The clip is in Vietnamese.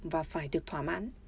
và phải được thỏa mãn